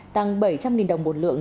tăng bảy trăm linh đồng một lượng